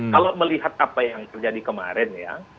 kalau melihat apa yang terjadi kemarin ya